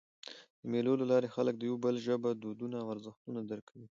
د مېلو له لاري خلک د یو بل ژبه، دودونه او ارزښتونه درک کوي.